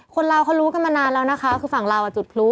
คนเราเขารู้กันมานานแล้วนะคะคือฝั่งลาวจุดพลุ